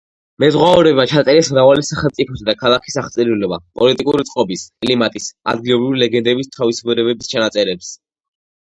მეზღვაურებმა ჩაწერეს მრავალი სახელმწიფოსა და ქალაქის აღწერილობა, პოლიტიკური წყობის, კლიმატის, ადგილობრივი ლეგენდების თავისებურებების ჩანაწერებს.